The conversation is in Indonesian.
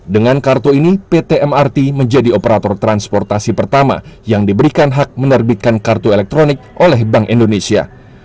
dengan kartu ini pt mrt menjadi operator transportasi pertama yang diberikan hak menerbitkan kartu elektronik oleh bank indonesia